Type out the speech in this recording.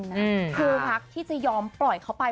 คือพักที่จะยอมปล่อยเขาไป